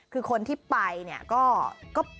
คือคนที่ไปก็